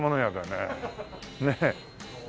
ねえ。